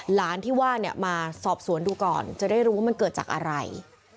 หลานที่ว่าเนี่ยมาสอบสวนดูก่อนจะได้รู้ว่ามันเกิดจากอะไร